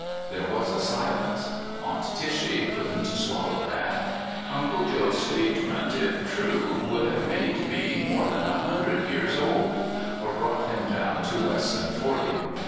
There was a silence. Aunt Tishy could n't swallow that. Uncle Joe's statement, if true, would have made me more than a hundred years old, or brought him down to less than forty.